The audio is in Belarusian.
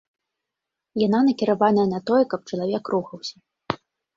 Яна накіраваная на тое, каб чалавек рухаўся.